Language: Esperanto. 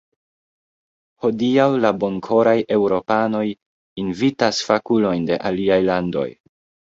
Hodiaŭ la bonkoraj eŭropanoj invitas fakulojn de aliaj landoj.